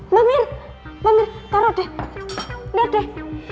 mbak mir mbak mir taruh deh liat deh